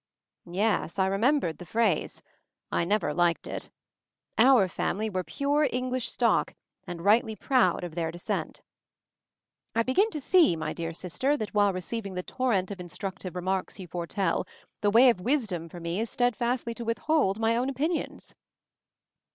Yes, I remembered the phrase, I never liked it. Our family were pure English stock, and rightly proud of their descent. "I begin to see, my dear sister, that while receiving the torrent of instructive remarks you foretell, the way of wisdom for me is steadfastly to withhold my own opinions."